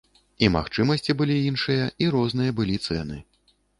І магчымасці былі іншыя, і розныя былі цэны.